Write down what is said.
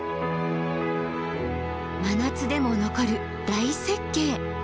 真夏でも残る大雪渓！